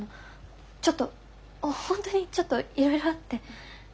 ちょっと本当にちょっといろいろあって。